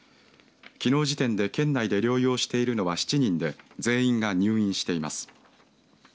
きのう時点で県内で療養しているのは７人で全員が入院しています。